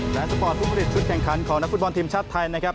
และสปอร์ตผู้ผลิตชุดแข่งขันของนักฟุตบอลทีมชาติไทยนะครับ